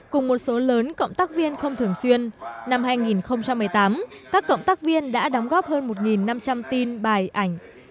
cùng một số lớn cộng tác viên không thường xuyên năm hai nghìn một mươi tám các cộng tác viên đã đóng góp hơn một năm trăm linh tin bài ảnh